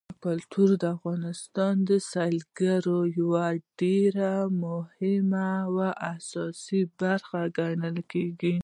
کلتور د افغانستان د سیلګرۍ یوه ډېره مهمه او اساسي برخه ګڼل کېږي.